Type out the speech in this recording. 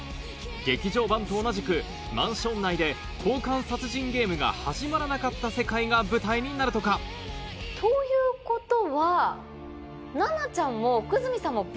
劇場版と同じくマンション内で交換殺人ゲームが始まらなかった世界が舞台になるとかということは。